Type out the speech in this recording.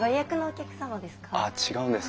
あっ違うんです。